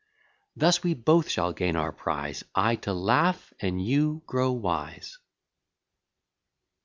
Thus we both shall gain our prize; I to laugh, and you grow wise.